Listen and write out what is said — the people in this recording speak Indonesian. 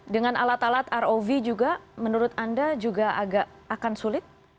dengan alat alat rov juga menurut anda juga agak akan sulit